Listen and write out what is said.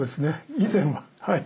以前ははい。